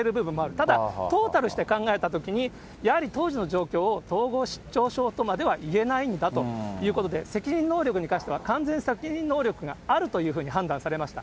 ただ、トータルして考えたときに、やはり当時の状況を統合失調症とまではいえないんだということで、責任能力に関しては完全責任能力があるというふうに判断されました。